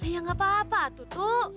ya gak apa apa tutu